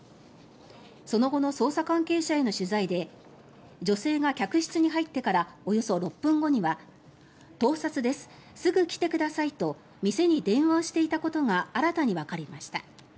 その後の捜査関係者への取材で女性が客室に入ってからおよそ６分後には盗撮です、すぐ来てくださいと店に電話していたことが新たにわかりました。